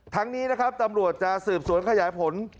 ทั้งนี้นะครับตำรวจจะสืบสวนขยายผล